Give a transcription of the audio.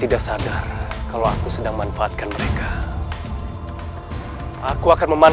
minggu sebelum nehmen